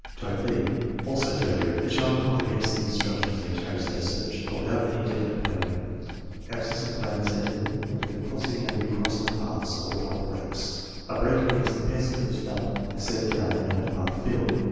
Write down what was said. Type b (also failure). The child comprehends the instructions and carries out a search, but without any definite plan. Absence of plan is evidenced by the crossing and re crossing of paths, or by "breaks." A break means that the pencil is lifted up and set down in another part of the field.